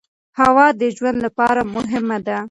هوا د ژوند لپاره مهمه ده.